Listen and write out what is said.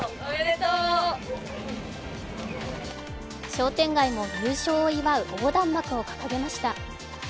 商店街も優勝を祝う横断幕を掲げました。